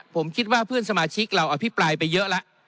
ผมคิดว่าเพื่อนสมาชิกเราอภิปรายไปเยอะแล้ว